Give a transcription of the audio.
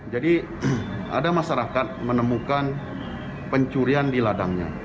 jadi ada masyarakat menemukan pencurian di ladangnya